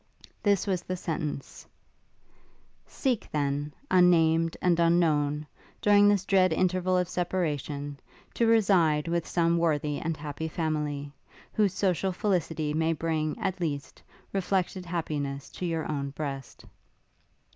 This was the sentence: 'Seek, then, unnamed and unknown, during this dread interval of separation, to reside with some worthy and happy family, whose social felicity may bring, at least, reflected happiness to your own breast.'